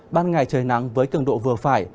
ban ngày trời nắng với cường độ vừa phải